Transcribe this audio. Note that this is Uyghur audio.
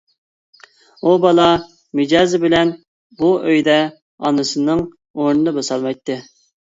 ئۇ بالا مىجەزى بىلەن بۇ ئۆيدە ئانىسىنىڭ ئورنىنى باسالمايتتى.